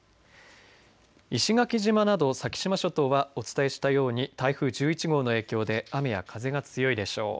石垣島など先島諸島はお伝えしたように台風１１号の影響で雨や風が強いでしょう。